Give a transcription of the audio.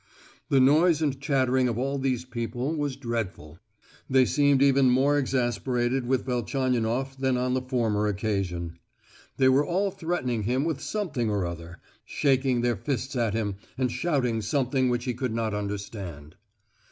The noise and chattering of all these people was dreadful; they seemed even more exasperated with Velchaninoff than on the former occasion. They were all threatening him with something or other, shaking their fists at him, and shouting something which he could not understand.